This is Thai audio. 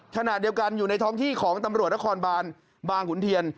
ขณะเดียวกันอยู่ในท้องที่ของตำรวจนครบานบางขุนเทียน